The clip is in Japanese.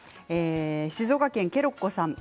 静岡県の方です。